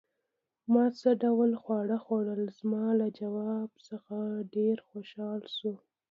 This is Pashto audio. ما څه ډول خواړه خوړل؟ زما له ځواب څخه ډېر خوښ شو.